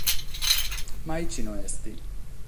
Ma gasi no est.